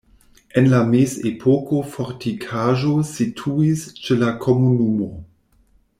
En la mezepoko fortikaĵo situis ĉe la komunumo.